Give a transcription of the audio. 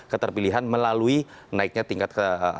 keterpilihan melalui naiknya tingkat